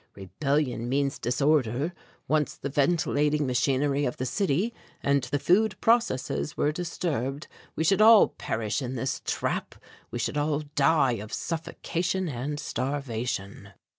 Rebellion means disorder once the ventilating machinery of the city and the food processes were disturbed we should all perish in this trap we should all die of suffocation and starvation."